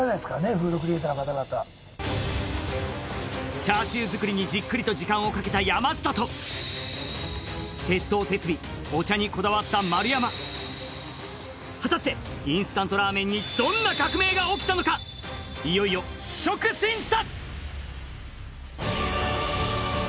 フードクリエイターの方々チャーシュー作りにじっくりと時間をかけた山下と徹頭徹尾お茶にこだわった丸山果たしてインスタントラーメンにどんな革命が起きたのかいよいよ試食審査！